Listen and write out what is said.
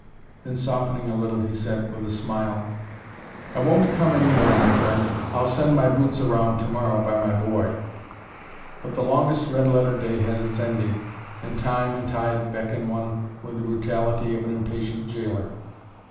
Then softening a little, he said, with a smile: "I won't come any more, my friend. I'll send my boots around to morrow by my boy." But the longest red letter day has its ending, and time and tide beckon one with the brutality of an impatient jailer.